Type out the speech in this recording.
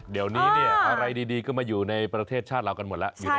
เดี๋ยวนี้อะไรดีก็มาอยู่ในประเทศชาติเรากันหมดแล้ว